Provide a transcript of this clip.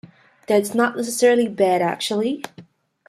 That's not necessarily bad, actually.